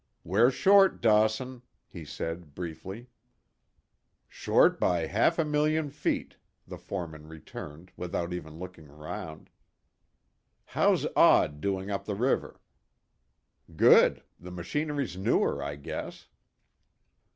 "We're short, Dawson," he said briefly. "Short by half a million feet," the foreman returned, without even looking round. "How's Odd doing up the river?" "Good. The machinery's newer, I guess."